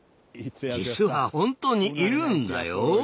実は本当にいるんだよ。